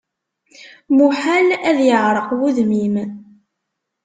Muḥal ad iɛṛeq wudem-im.